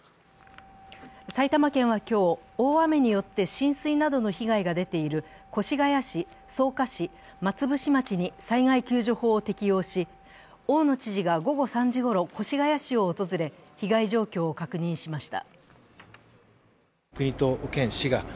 埼玉県は今日、大雨によって浸水などの被害が出ている越谷市、草加市、松伏町に災害救助法を適用し、大野知事が午後３時ごろ、越谷市を訪れ被害状況を確認しました。